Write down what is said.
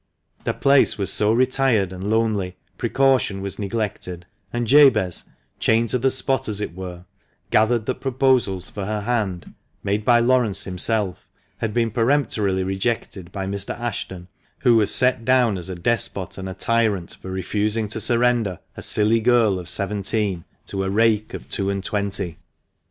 The place was so retired and lonely, precaution was neglected ; and Jabez, chained to the spot as it were, gathered that proposals for her hand, made by Laurence himself, had been peremptorily rejected by Mr. Ashton, who was set down as a despot and a tyrant for refusing to surrender a silly girl of seventeen to a rake of two and twenty.